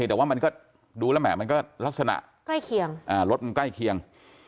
แต่ว่ามันก็ดูแล้วแหมมันก็ลักษณะใกล้เคียงรถมันใกล้เคียง